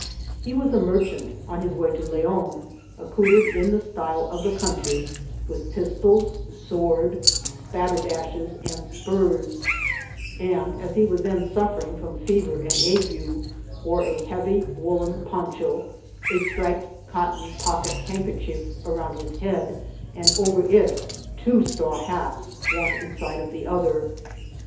He was a merchant, on his way to Leon, accoutred in the style of the country, with pistols, sword, spatterdashes, and spurs; and as he was then suffering from fever and ague, wore a heavy woollen poncha, a striped cotton pocket handkerchief around his head, and over it two straw hats, one inside of the gther.